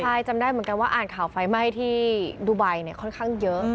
ใช่จำได้เหมือนกันว่าอ่านข่าวไฟไหม้ที่ดูไบเนี่ยค่อนข้างเยอะ